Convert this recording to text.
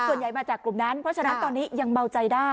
ส่วนใหญ่มาจากกลุ่มนั้นเพราะฉะนั้นตอนนี้ยังเบาใจได้